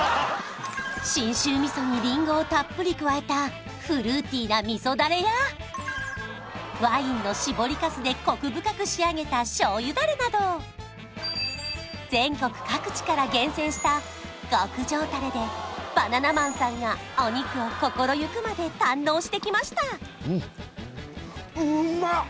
信州味噌にりんごをたっぷり加えたフルーティーな味噌ダレやワインの搾りかすでコク深く仕上げた醤油ダレなど全国各地から厳選した極上タレでバナナマンさんがお肉を心ゆくまで堪能してきました